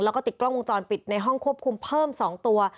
แล้วก็ติดกล้องวงจรปิดในห้องควบคุมเพิ่ม๒ตัว